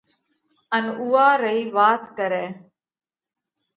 ان اُوئا رئي وات ڪرئھ۔